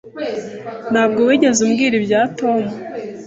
Ntabwo wigeze umbwira ibya Tom.